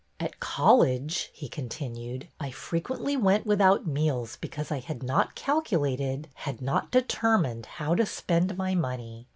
At college," he continued, " I frequently went without meals because I had not calculated, had not determined how to spend my money.